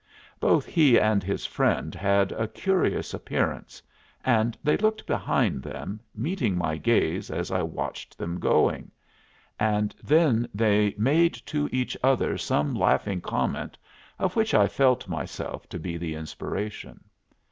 Both he and his friend had a curious appearance, and they looked behind them, meeting my gaze as I watched them going; and then they made to each other some laughing comment, of which I felt myself to be the inspiration.